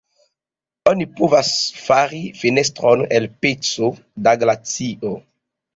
Oni povas fari fenestron el peco da glacio.